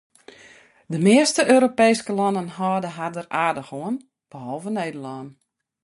De measte Europeeske lannen hâlde har der aardich oan, behalve Nederlân.